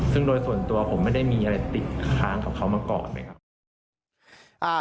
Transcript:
ซึ่งโดยส่วนตัวผมไม่ได้มีอะไรติดค้างกับเขามาก่อนเลยครับ